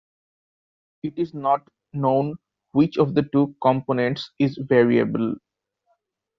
It is not known which of the two components is variable.